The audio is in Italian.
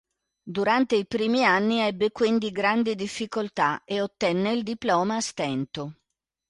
Durante i primi anni ebbe quindi grandi difficoltà, e ottenne il diploma a stento.